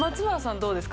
どうですか？